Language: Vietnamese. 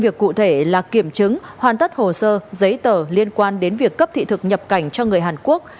đây là kiểm chứng hoàn tất hồ sơ giấy tờ liên quan đến việc cấp thị thực nhập cảnh cho người hàn quốc